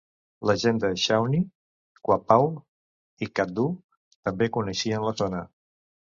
La gent de Shawnee, Quapaw i Caddo també coneixien la zona.